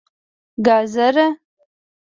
🥕 ګازره